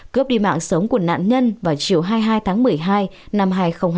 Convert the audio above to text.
cướp đi mạng sống của nạn nhân vào chiều hai mươi hai tháng một mươi hai năm hai nghìn hai mươi